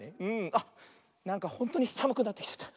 あっなんかほんとにさむくなってきちゃった。